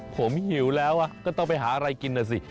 ผมหิวแล้วก็ต้องไปหาอะไรกินน่ะสิ